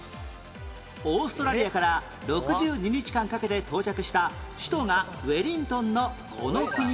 オーストラリアから６２日間かけて到着した首都がウェリントンのこの国はどこ？